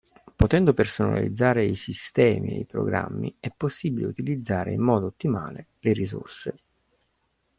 Potendo personalizzare i sistemi e i programmi è possibile utilizzare in modo ottimale le risorse.